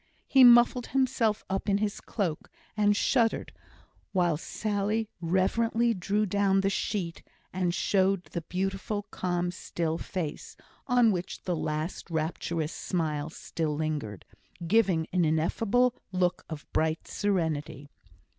He muffled himself up in his cloak, and shuddered, while Sally reverently drew down the sheet, and showed the beautiful, calm, still face, on which the last rapturous smile still lingered, giving an ineffable look of bright serenity.